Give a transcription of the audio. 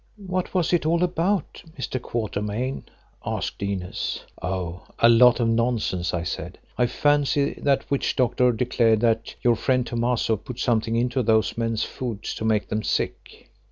"What was it all about, Mr. Quatermain?" asked Inez. "Oh! a lot of nonsense," I said. "I fancy that witch doctor declared that your friend Thomaso put something into those men's food to make them sick."